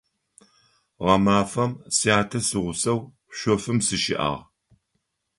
Гъэмафэм сятэ сигъусэу шъофым сыщыӀагъ.